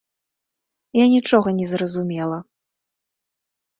Я нічога не зразумела.